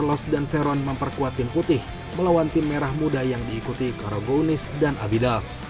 saya harap semua hal yang baik yang ada di sini akan menjadi kebaikan